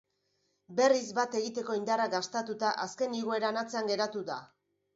Berriz bat egiteko indarrak gastatuta, azken igoeran atzean geratu da.